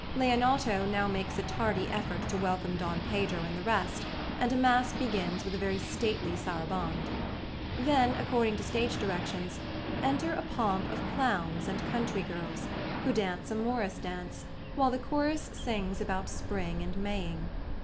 Leonato now makes a tardy effort to welcome Don Pedro and the rest, and a masque begins with a very stately saraband. Then, according to stage directions, "Enter a pomp of clowns and country girls," who dance a morris dance, while the chorus sings about spring and maying.